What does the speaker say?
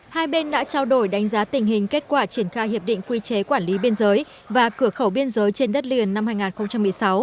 hai bên đã trao đổi đánh giá tình hình kết quả triển khai hiệp định quy chế quản lý biên giới và cửa khẩu biên giới trên đất liền năm hai nghìn một mươi sáu